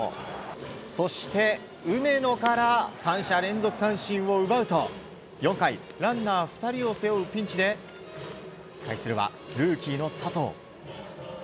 そして梅野から３者連続三振を奪うと４回、ランナー２人を背負うピンチで対するは、ルーキーの佐藤。